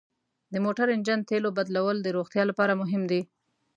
د موټر انجن تیلو بدلول د روغتیا لپاره مهم دي.